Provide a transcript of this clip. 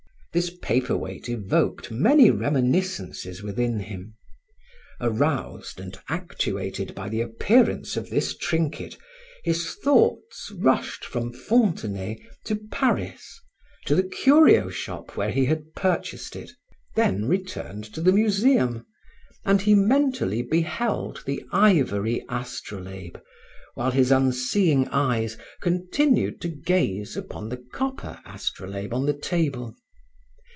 This paper weight evoked many reminiscences within him. Aroused and actuated by the appearance of this trinket, his thoughts rushed from Fontenay to Paris, to the curio shop where he had purchased it, then returned to the Museum, and he mentally beheld the ivory astrolabe, while his unseeing eyes continued to gaze upon the copper astrolabe on the table.